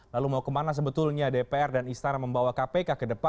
lalu mau kemana sebetulnya dpr dan istana membawa kpk ke depan